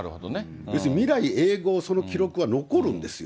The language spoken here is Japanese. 要するに、未来永ごう、その記録は残るんですよ。